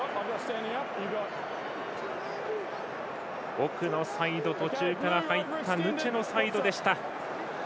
奥のサイド、途中から入ったヌチェのサイドでした。